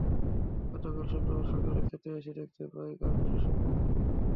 গতকাল শুক্রবার সকালে খেতে এসে দেখতে পাই গাছগুলো শুকিয়ে নেতিয়ে পড়েছে।